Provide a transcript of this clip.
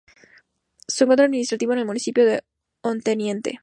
Su centro administrativo es el municipio de Onteniente.